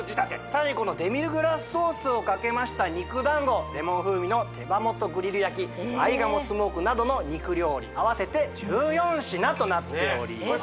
さらにこのデミグラスソースをかけました肉団子レモン風味の手羽元グリル焼き合鴨スモークなどの肉料理合わせて１４品となっております